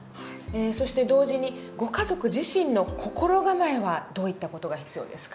そして同時にご家族自身の心構えはどういった事が必要ですか？